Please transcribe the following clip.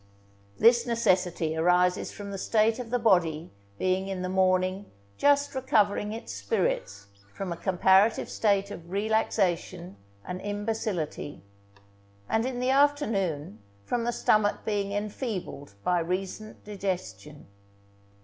This necessity arises from the state of the body being in the morning just recovering its spirits from a comparative state of relaxation and imbecility, and in the afternoon from the stomach being enfeebled by recent digestion.